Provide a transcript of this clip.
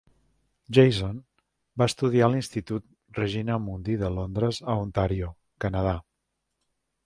Jason va estudiar a l'institut Regina Mundi de Londres a Ontario, Canadà.